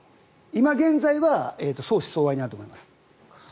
今現在は相思相愛にあると思います。